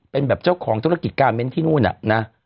เป็นเจ้าของธุรกิจการเม้นที่โน่นน่ะ